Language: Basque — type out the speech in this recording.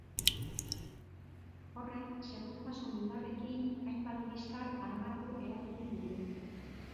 Horrek segurtasun-indarrekin hainbat liskar armatu eragiten ditu.